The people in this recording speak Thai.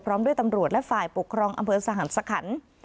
พร้อมด้วยตำรวจและฝ่ายปกครองอำเภอสหรัฐสคัณภ์